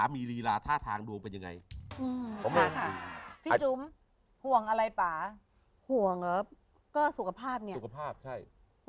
มันห่วงทำไม